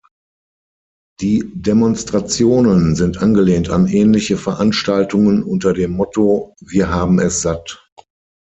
Die Demonstrationen sind angelehnt an ähnliche Veranstaltungen unter dem Motto "Wir haben es satt!